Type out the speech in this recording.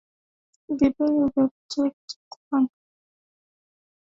Vipele vya tetekuwanga